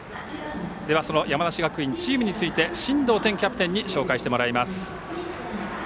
では、その山梨学院チームについて進藤天キャプテンに紹介してもらいます。